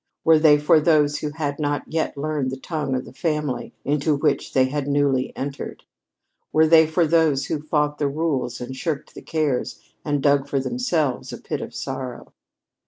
Were they for those who had not yet learned the tongue of the family into which they had newly entered? Were they for those who fought the rules and shirked the cares and dug for themselves a pit of sorrow?